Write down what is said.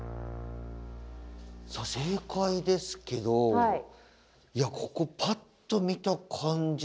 さあ正解ですけどいやここパッと見た感じ。